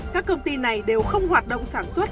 các công ty này đều không hoạt động sản xuất